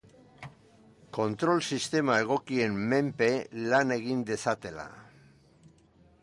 Kontrol sistema egokien menpe lan egin dezatela.